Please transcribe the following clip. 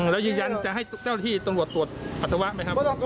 แล้วยืนยันจะให้เจ้าที่ตำรวจตรวจปัสสาวะไหมครับ